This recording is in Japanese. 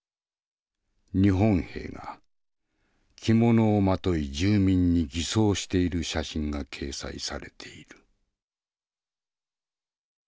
日本兵が着物をまとい住民に偽装している写真が掲載されている。